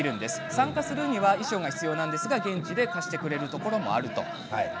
参加するには衣装が必要なんですが現地で貸してくれるところもあるそうです。